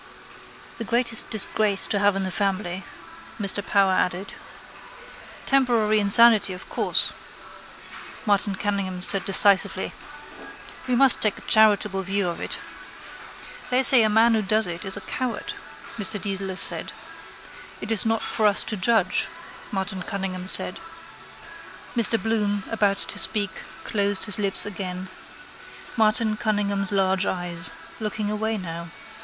—The greatest disgrace to have in the family, Mr Power added. —Temporary insanity, of course, Martin Cunningham said decisively. We must take a charitable view of it. —They say a man who does it is a coward, Mr Dedalus said. —It is not for us to judge, Martin Cunningham said. Mr Bloom, about to speak, closed his lips again. Martin Cunningham's large eyes. Looking away now.